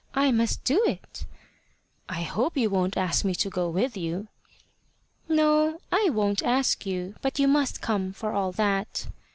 I must do it." "I hope you won't ask me to go with you." "No, I won't ask you. But you must come for all that."